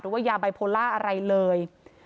ว่ายาไบโพล่าอะไรเลย